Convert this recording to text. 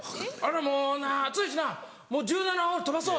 「もうな暑いしな１７ホール飛ばそう。